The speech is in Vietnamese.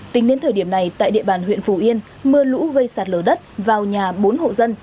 tính đến thời điểm này tại địa bàn huyện phù yên mưa lũ gây sạt lở đất vào nhà bốn hộ dân